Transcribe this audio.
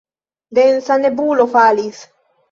Densa nebulo falis.